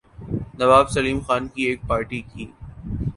نواب سیلم خان کی ایک پارٹی کی